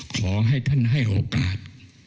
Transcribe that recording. ขอให้ท่านให้โอกาส